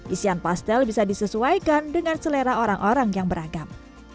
isian pastel bisa disesuaikan dengan selera orang orang yang beragam